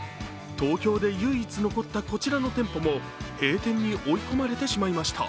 東京で唯一残ったこちらの店舗も閉店に追い込まれてしまいました。